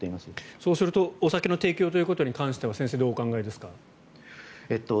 そうするとお酒の提供ということに関しては先生、どうお考えですか？